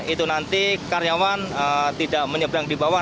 itu nanti karyawan tidak menyeberang di bawah